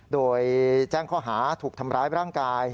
โดยแจ้งข้อหาถูกทำร้ายร่างกาย